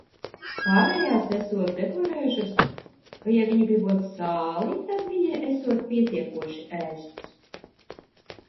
Pārējās esot deklarējušas, ka, ja viņa gribot sāli, tad viņai esot pietiekoši ēsts.